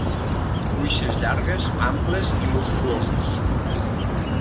Cuixes llargues, amples i musculosos.